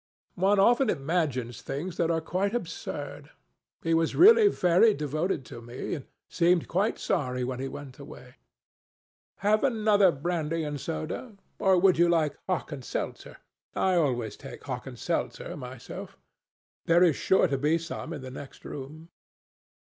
One often imagines things that are quite absurd. He was really very devoted to me and seemed quite sorry when he went away. Have another brandy and soda? Or would you like hock and seltzer? I always take hock and seltzer myself. There is sure to be some in the next room."